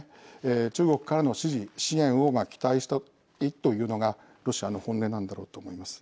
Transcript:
中国からの支持支援を期待したいというのがロシアの本音なんだろうと思います。